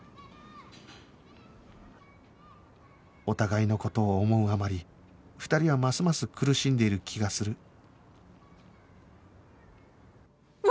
お互いの事を思うあまり２人はますます苦しんでいる気がする